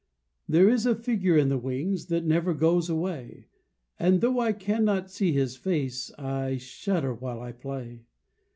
There is a figure in the wings That never goes away, And though I cannot see his face, I shudder while I play.